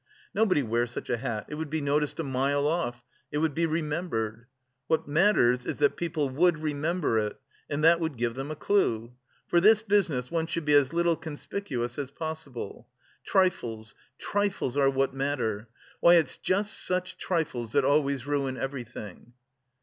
Nobody wears such a hat, it would be noticed a mile off, it would be remembered.... What matters is that people would remember it, and that would give them a clue. For this business one should be as little conspicuous as possible.... Trifles, trifles are what matter! Why, it's just such trifles that always ruin everything...."